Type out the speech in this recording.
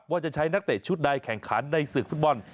ว่าจะใช้นักเตะชุดใดแข่งขันในศึกฟุตบอล